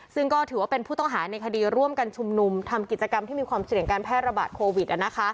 ซึ่งก็ถือว่าเป็นผู้ต้องหาในคดีร่วมกันชุมนุมทำกิจกรรมที่มีความเสี่ยงการแพร่ระบาดโควิด